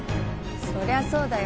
そりゃそうだよ